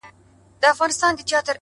خپه په دې يم چي زه مرمه او پاتيږي ژوند’